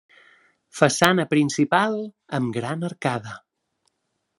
Façana principal amb gran arcada.